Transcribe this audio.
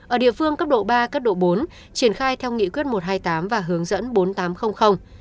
ở địa phương cấp độ ba cấp độ bốn triển khai theo nghị quyết một trăm hai mươi tám và hướng dẫn bốn nghìn tám trăm linh